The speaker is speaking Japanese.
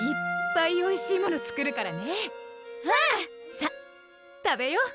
さっ食べよう。